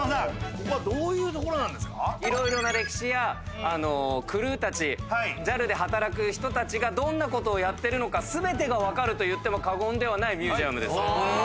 色々な歴史やクルーたちＪＡＬで働く人たちがどんなことをやってるのか全てが分かると言っても過言ではないミュージアムです。